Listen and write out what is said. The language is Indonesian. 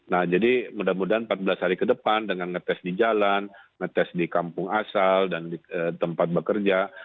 nah jadi mudah mudahan empat belas hari ke depan dengan ngetes di jalan ngetes di kampung asal dan di tempat bekerja